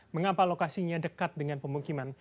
mengapa lokasinya dekat dengan pemukiman